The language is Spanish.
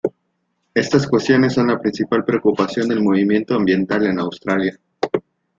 Estas cuestiones son la principal preocupación del movimiento ambiental en Australia.